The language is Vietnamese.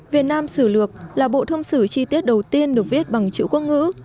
việt nam sử lược là bộ thông sử chi tiết đầu tiên được viết bằng chữ quốc ngữ